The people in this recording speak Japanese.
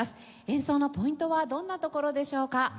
演奏のポイントはどんなところでしょうか？